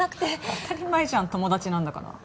当たり前じゃん友達なんだから。